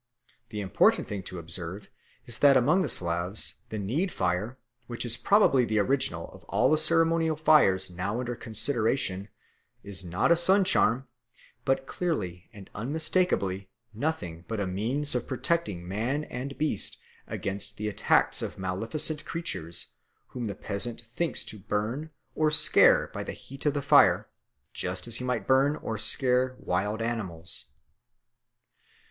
The important thing to observe is that among the Slavs the need fire, which is probably the original of all the ceremonial fires now under consideration, is not a sun charm, but clearly and unmistakably nothing but a means of protecting man and beast against the attacks of maleficent creatures, whom the peasant thinks to burn or scare by the heat of the fire, just as he might burn or scare wild animals.